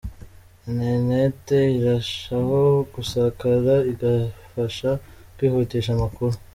Internet irarushaho gusakara igafasha kwihutisha amakuru.